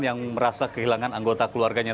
yang merasa kehilangan anggota keluarganya